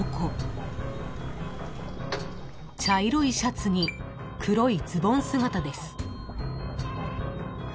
［茶色いシャツに黒いズボン姿です］